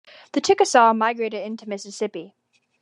The Chickasaw migrated into Mississippi.